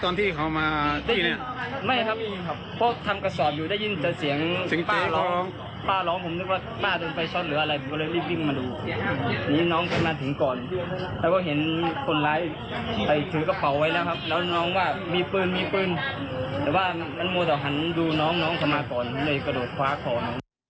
นี่มีปืนแต่ว่าเรามันหมดเอาหันดูน้องเข้ามาก่อนเลยกระโดดคว้าครอม